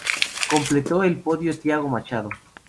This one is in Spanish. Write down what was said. Completó el podio Tiago Machado.